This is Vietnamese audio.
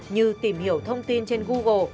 như tìm hiểu thông tin trên google